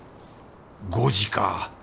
５時か。